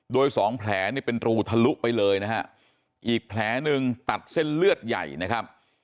โดยสองแผลนี่เป็นรูทะลุไปเลยนะฮะอีกแผลหนึ่งตัดเส้นเลือดใหญ่นะครับ